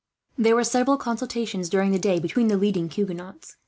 There were several consultations, during the day, between the leading Huguenots.